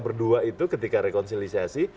berdua itu ketika rekonsiliasi